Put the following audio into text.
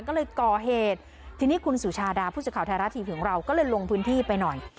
ก็เลยก่อเหตุทีนี้คุณสุชาดาผู้สื่อข่าวไทยรัฐทีวีของเราก็เลยลงพื้นที่ไปหน่อย